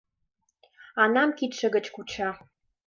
Анам кидше гыч куча.